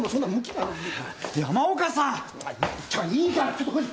いいからちょっと来い。